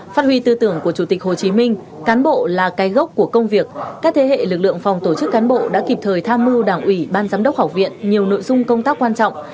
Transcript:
phát huy tư tưởng của chủ tịch hồ chí minh cán bộ là cái gốc của công việc các thế hệ lực lượng phòng tổ chức cán bộ đã kịp thời tham mưu đảng ủy ban giám đốc học viện nhiều nội dung công tác quan trọng